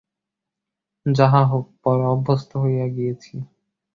যাহা হউক, পরে অভ্যস্ত হইয়া গিয়াছি।